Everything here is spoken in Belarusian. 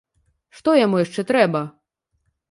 Што яму яшчэ трэба?